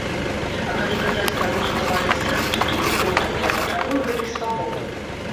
А калі казаць пра больш глабальны сэнс, то тут прырода мая патрабуе гэтай свабоды.